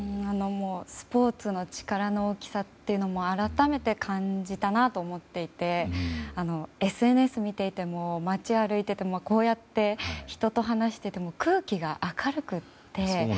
スポーツの力の大きさを改めて感じたなと思っていてＳＮＳ見ていても街を歩いていてもこうやって人と話してても空気が明るくて。